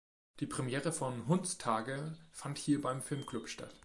Die Premiere von "Hundstage" fand hier beim Filmclub statt.